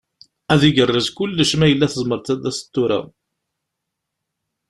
Ad igerrez kullec ma yella tzemreḍ ad d-taseḍ tura.